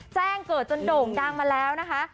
แจ้งเกิดจนโด่งดังมาแล้วนะคะ